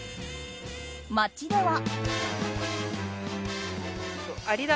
街では。